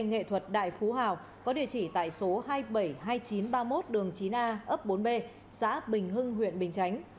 nghệ thuật đại phú hào có địa chỉ tại số hai trăm bảy mươi hai nghìn chín trăm ba mươi một đường chín a ấp bốn b xã bình hưng huyện bình chánh